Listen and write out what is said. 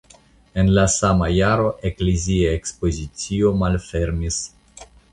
En la sama jaro eklezia ekspozicio malfermis.